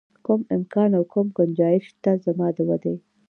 کوم امکان او کوم ګنجایش شته زما د ودې.